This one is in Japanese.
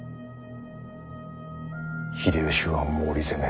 秀吉は毛利攻め。